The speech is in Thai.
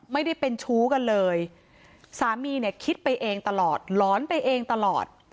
ไม่ได้เป็นชู้กันเลยสามีเนี่ยคิดไปเองตลอดหลอนไปเองตลอด